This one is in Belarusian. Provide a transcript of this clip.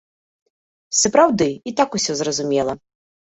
Сапраўды, і так усё зразумела.